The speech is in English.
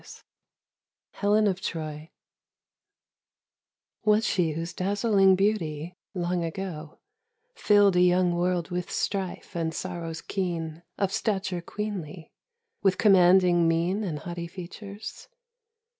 IV HELEN OF TROY WAS she whose dazzling beauty long ago Filled a young world with strife and sorrows keen Of stature queenly, with commanding mien And haughty features?